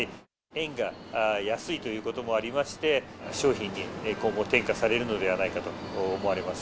円が安いということもありまして、商品に今後、転嫁されるのではないかと思われます。